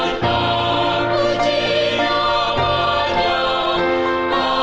cerita yesus dan kasihnya